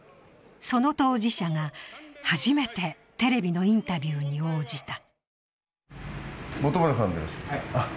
その当事者が初めてテレビのインタビューに応じた。